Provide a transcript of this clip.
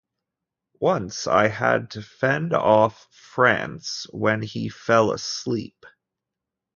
Once I had to fend off Frantz when he fell asleep.